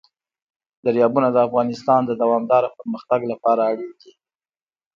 دریابونه د افغانستان د دوامداره پرمختګ لپاره اړین دي.